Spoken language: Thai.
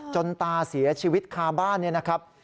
ตาเสียชีวิตคาบ้านเนี่ยนะครับ